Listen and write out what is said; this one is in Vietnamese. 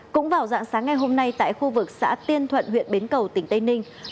cũng vào dạng sáng ngày hôm nay tại khu vực xã tiên thuận huyện bến cầu tỉnh tây ninh